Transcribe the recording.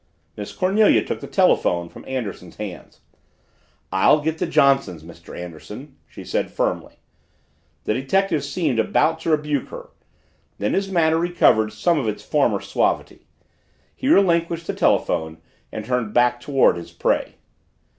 Miss Cornelia took the telephone from Anderson's hands. "I'll get the Johnsons', Mr. Anderson," she said firmly. The detective seemed about to rebuke her. Then his manner recovered some of its former suavity. He relinquished the telephone and turned back toward his prey.